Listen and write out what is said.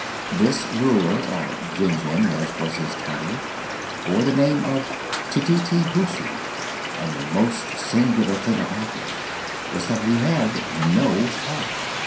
This Ruler, or Jinjin, as was his title, bore the name of Tititi Hoochoo, and the most singular thing about him was that he had no heart.